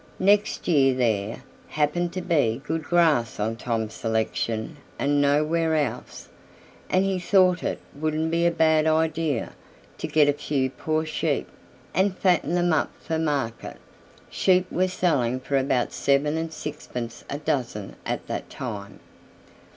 Next year there happened to be good grass on Tom's selection and nowhere else, and he thought it wouldn't be a bad idea to get a few poor sheep, and fatten them up for market: sheep were selling for about seven and sixpence a dozen at that time.